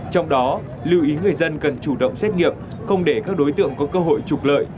trong đó lưu ý người dân cần chủ động xét nghiệm không để các đối tượng có cơ hội trục lợi